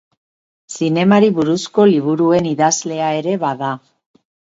Zinemari buruzko liburuen idazlea ere bada.